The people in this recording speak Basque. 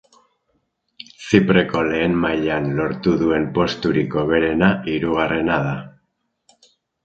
Zipreko lehen mailan lortu duen posturik hoberena hirugarrena da.